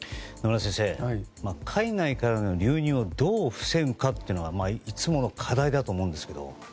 野村先生海外からの流入をどう防ぐかっていうのがいつもの課題だと思うんですが。